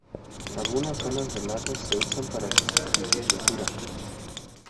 Algunas zonas del lago se usan para piscicultura.